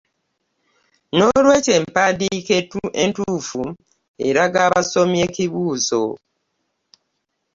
N’olwekyo empandiika entuufu eraga abasomi ekituuzo.